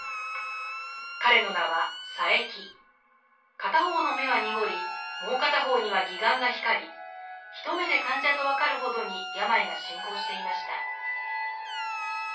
片方の眼は濁りもう片方には義眼が光り一目で患者と分かるほどに病が進行していました。